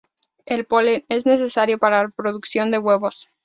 El polen es necesario para la producción de huevos.